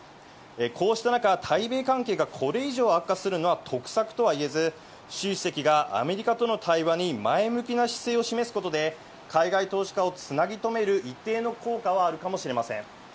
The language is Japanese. こうした中、対米関係がこれ以上悪化するのは得策とはいえず、習主席がアメリカとの対話に前向きな姿勢を示すことで、海外投資家をつなぎとめる一定の効果はあるかもしれません。